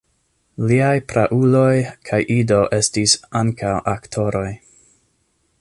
Liaj prauloj kaj ido estis ankaŭ aktoroj.